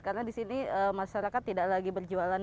karena di sini masyarakat tidak lagi berjualan